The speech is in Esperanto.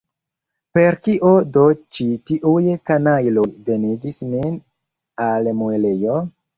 Por kio do ĉi tiuj kanajloj venigis nin al muelejo?